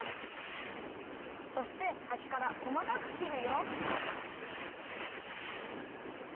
そしてはしからこまかくきるよ。